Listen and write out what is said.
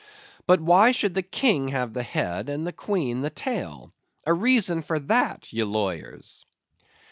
But why should the King have the head, and the Queen the tail? A reason for that, ye lawyers!